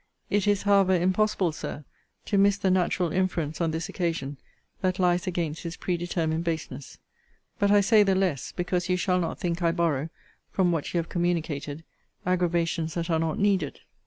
It is, however, impossible, Sir, to miss the natural inference on this occasion that lies against his predetermined baseness. But I say the less, because you shall not think I borrow, from what you have communicated, aggravations that are not needed.